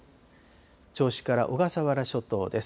銚子から小笠原諸島です。